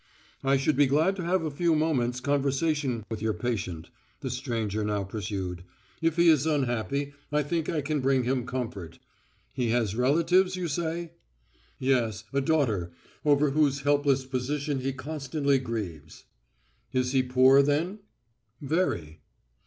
"I should be glad to have a few moments' conversation with your patient," the stranger now pursued. "If he is unhappy, I think I can bring him comfort. He has relatives, you say." "Yes, a daughter, over whose helpless position he constantly grieves." "He is poor, then?" "Very."